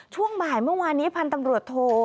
ช่วงบ่ายเมื่อวานนี้พันธุ์ตำรวจโท